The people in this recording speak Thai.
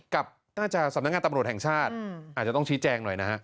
น่าจะสำนักงานตำรวจแห่งชาติอาจจะต้องชี้แจงหน่อยนะฮะ